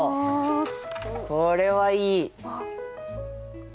これはいい。